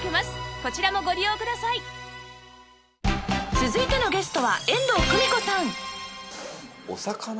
続いてのゲストは遠藤久美子さん